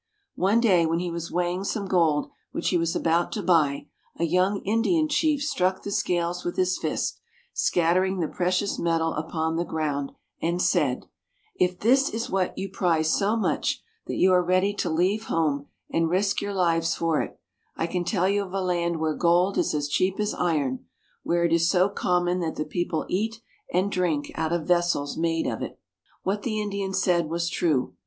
One day when he was weighing some gold which he was about to buy, a young Indian chief struck the scales with his fist, scattering the precious metal upon the ground, and said :If this is what you prize so much that you are ready to leave home and risk your lives for it, I can tell you of a land where gold is as cheap as iron — where it is so com mon that the people eat and drink out of vessels made of it." What the Indian said was true.